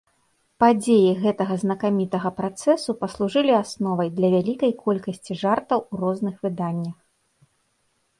Падзеі гэтага знакамітага працэсу паслужылі асновай для а вялікай колькасці жартаў у розных выданнях.